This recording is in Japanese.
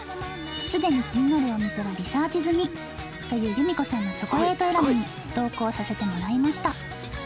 すでに気になるお店はリサーチ済みというユミコさんのチョコレート選びに同行させてもらいました